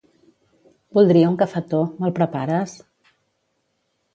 Voldria un cafetó, me'l prepares?